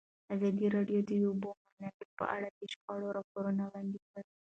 ازادي راډیو د د اوبو منابع په اړه د شخړو راپورونه وړاندې کړي.